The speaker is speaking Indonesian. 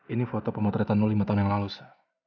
ini foto pemotretan lo lima tahun yang lalu sa